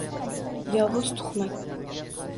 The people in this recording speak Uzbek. Yovuz tuhmat